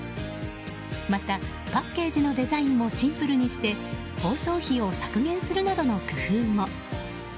またパッケージのデザインもシンプルにして包装費を削減するなどの工夫も。